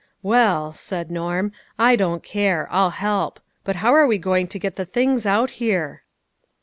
"Well," said Norm, I don't care ; I'll help ; but how are we going to get the things out here?"